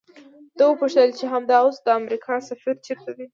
ده وپوښتل چې همدا اوس د امریکا سفیر چیرته دی؟